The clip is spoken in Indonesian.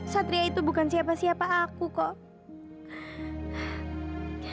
satria itu bukan siapa siapa aku kok